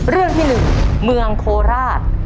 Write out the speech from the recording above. เรื่องที่๑เมืองโคราช